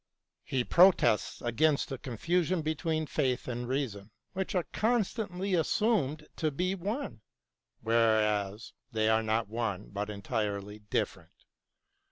He 232 BROWNING AND LESSING protests against the confusion between faith and reason, which are constantly assumed to be one, whereas they are not one but entirely different.